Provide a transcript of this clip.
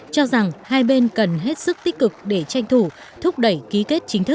cho rằng hai bên cần hết sức tích cực để tranh thủ